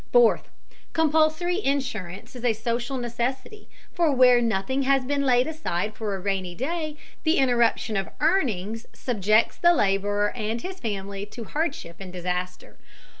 Fourth, compulsory insurance is a social necessity, for where nothing has been laid aside for a rainy day, the interruption of earnings subjects the laborer and his family to hardship and disaster.